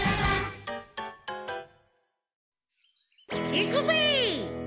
いくぜ！